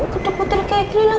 kutuk kutuk kayak ginilah